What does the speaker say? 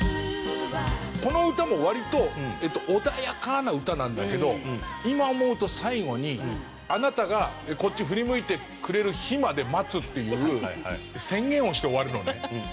この歌も割と穏やかな歌なんだけど今思うと最後にあなたがこっち振り向いてくれる日まで待つっていう宣言をして終わるのね。